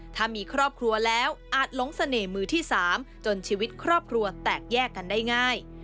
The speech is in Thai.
ถ้ามีครอบครัวแล้วอาจหลงเสน่ห์มือที่๓จนชีวิตครอบครัวแตกแยกกันได้ง่าย